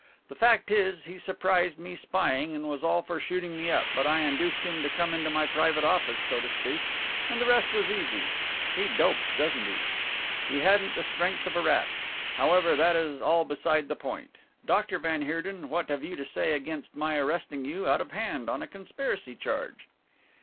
The fact is he surprised me spying and was all for shooting me up, but I induced him to come into my private office, so to speak, and the rest was easy he dopes, doesn't he? He hadn't the strength of a rat. However, that is all beside the point; Dr. van Heerden, what have you to say against my arresting you out of hand on a conspiracy charge?"